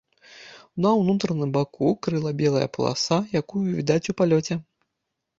На ўнутраным баку крыла белая паласа, якую відаць у палёце.